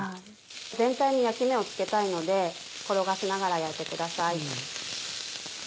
全体に焼き目をつけたいので転がしながら焼いてください。